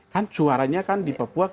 kan suaranya kan di papua